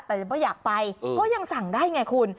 แต่ยังไม่อยากไปก็ยังสั่งได้ไงคุณ